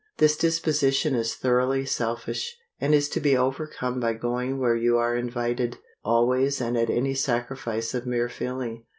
This disposition is thoroughly selfish, and is to be overcome by going where you are invited, always and at any sacrifice of mere feeling.